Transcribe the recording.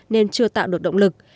nên chưa tạo được động lực